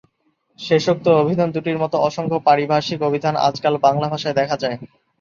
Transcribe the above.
শেষোক্ত অভিধান দুটির মতো অসংখ্য পারিভাষিক অভিধান আজকাল বাংলা ভাষায় দেখা যায়।